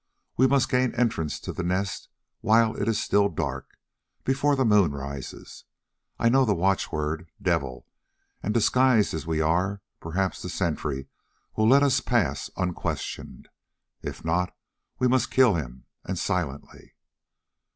We must gain entrance to the Nest while it is still dark, before the moon rises. I know the watchword, 'Devil,' and disguised as we are, perhaps the sentry will let us pass unquestioned. If not, we must kill him, and silently."